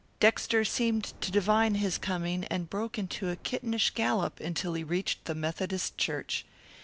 Dexter seemed to divine his coming and broke into a kittenish gallop until he reached the Methodist Church.